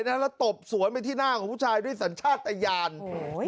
แล้วตบสวนไปที่หน้าของผู้ชายด้วยสัญชาติตะยานโอ้โห